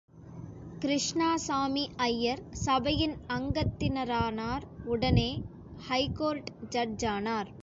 கிருஷ்ணசாமி ஐயர் சபையின் அங்கத்தினரானார் உடனே ஹைகோர்ட்டு ஜட்ஜானார்.